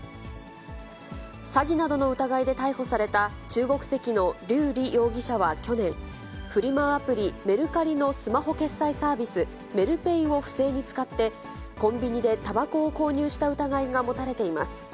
詐欺などの疑いで逮捕された中国籍の劉莉容疑者は去年、フリマアプリ、メルカリのスマホ決済サービス、メルペイを不正に使って、コンビニでたばこを購入した疑いが持たれています。